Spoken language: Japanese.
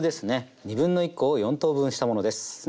1/2コを４等分したものですね。